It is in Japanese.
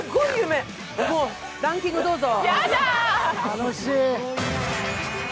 ランキングどうぞ。